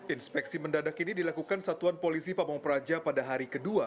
inspeksi mendadak ini dilakukan satuan polisi pamung praja pada hari kedua